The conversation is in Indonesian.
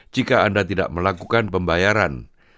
jika anda tidak melakukan pembayaran